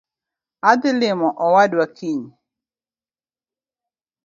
Adhii limo owadwa kiny.